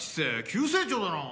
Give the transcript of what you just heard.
急成長だな。